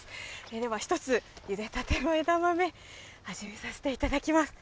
では一つ、ゆでたての枝豆、味見させていただきます。